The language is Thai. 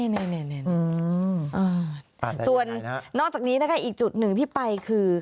นี่ส่วนนอกจากนี้นะคะอีกจุดหนึ่งที่ไปคือ